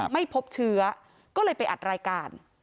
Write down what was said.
ไม่พบเชื้อก็เลยไปอัดรายการ